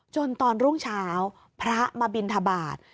ตอนรุ่งเช้าพระมาบินทบาท